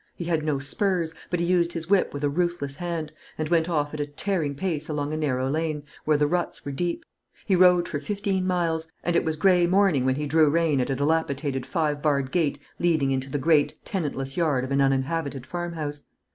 He had no spurs; but he used his whip with a ruthless hand, and went off at a tearing pace along a narrow lane, where the ruts were deep. He rode for fifteen miles; and it was grey morning when he drew rein at a dilapidated five barred gate leading into the great, tenantless yard of an uninhabited farmhouse.